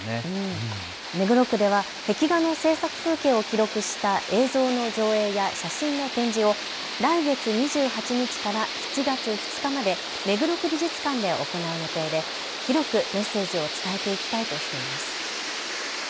目黒区では壁画の制作風景を記録した映像の上映や写真の展示を来月２８日から７月２日まで目黒区美術館で行う予定で広くメッセージを伝えていきたいとしています。